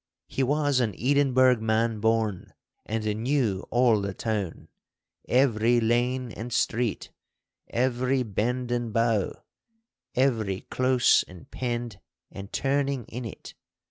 He was an Edinburgh man born, and knew all the town—every lane and street, every bend and bow, every close and pend and turning in it.